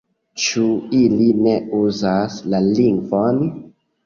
Ĉu ili ne uzas la lingvon?